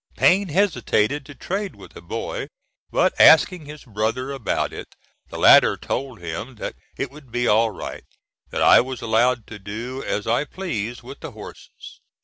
Payne hesitated to trade with a boy, but asking his brother about it, the latter told him that it would be all right, that I was allowed to do as I pleased with the horses.